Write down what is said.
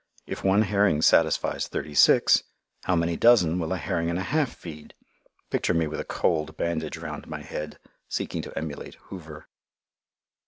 If one herring satisfies thirty six, how many dozen will a herring and a half feed? Picture me with a cold bandage round my head seeking to emulate Hoover.